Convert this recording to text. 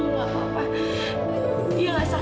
milo yang belum diambil